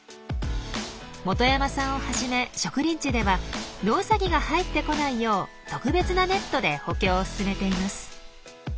本山さんをはじめ植林地ではノウサギが入ってこないよう特別なネットで補強を進めています。